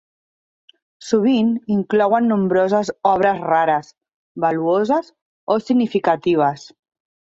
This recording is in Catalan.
Sovint, inclouen nombroses obres rares, valuoses o significatives.